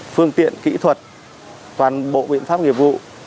phương tiện kỹ thuật toàn bộ biện pháp nghiệp vụ